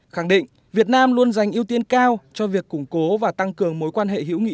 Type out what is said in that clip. khẳng định việt nam luôn dành ưu tiên cao cho việc củng cố và tăng cường mối quan hệ hữu nghị